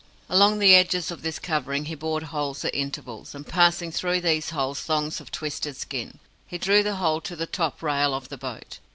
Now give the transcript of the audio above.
Along the edges of this covering he bored holes at intervals, and passing through these holes thongs of twisted skin, he drew the whole to the top rail of the boat.